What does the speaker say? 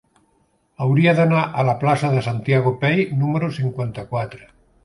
Hauria d'anar a la plaça de Santiago Pey número cinquanta-quatre.